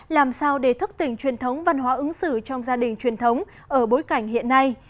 làm sao để thức tỉnh truyền thống văn hóa ứng xử trong gia đình truyền thống ở bối cảnh hiện nay